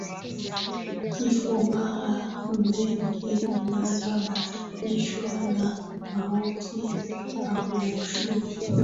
Kifo mara nyingi unasababishwa na maudhi au uchovu